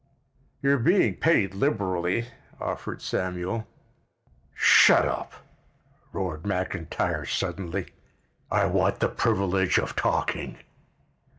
"You're being paid liberally," offered Samuel. "Shut up!" roared McIntyre suddenly. "I want the privilege of talking."